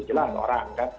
jelas orang kan